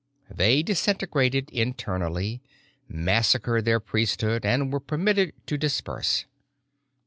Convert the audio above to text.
They disintegrated internally, massacred their priesthood, and were permitted to disperse.